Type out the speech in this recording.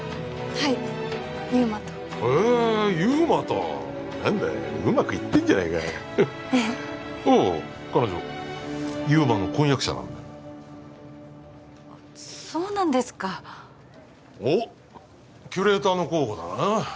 はい祐馬とえ祐馬と何だうまくいってんじゃないかええああ彼女祐馬の婚約者なんだそうなんですかおっキュレーターの候補だな